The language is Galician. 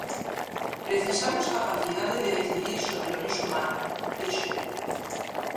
"Precisamos capacidade de decidir sobre o noso mar", dixo.